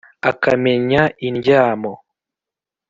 akamenya indyamo